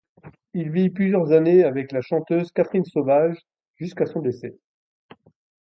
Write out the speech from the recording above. Il vit plusieurs années avec la chanteuse Catherine Sauvage jusqu'à son décès.